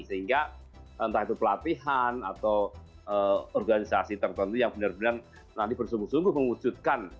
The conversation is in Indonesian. sehingga entah itu pelatihan atau organisasi tertentu yang benar benar nanti bersungguh sungguh mewujudkan